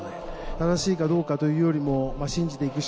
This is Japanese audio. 正しいかどうかというよりも信じていくしかないという。